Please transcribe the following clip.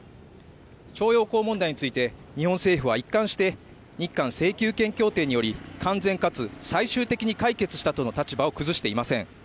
徴用工問題について、日本政府は一貫して日韓請求権協定により完全かつ最終的に解決したとの立場を崩していません。